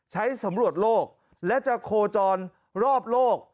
สำรวจโลกและจะโคจรรอบโลก